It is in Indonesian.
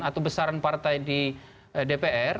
atau besaran partai di dpr